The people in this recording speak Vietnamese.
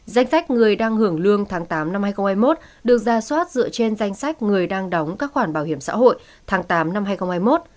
danh sách người đang hưởng lương tháng tám năm hai nghìn hai mươi một được ra soát dựa trên danh sách người đang đóng các khoản bảo hiểm xã hội tháng tám năm hai nghìn hai mươi một